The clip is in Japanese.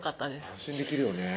安心できるよね